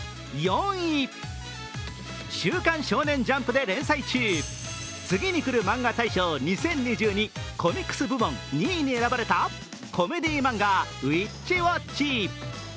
「週刊少年ジャンプ」で連載中、次にくるマンガ大賞２０２２、コミックス部門２位に選ばれたコメディー漫画「ＷＩＴＣＨＷＡＴＣＨ」。